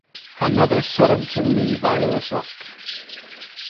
Cha nod eh surranse yn mee-viallys oc.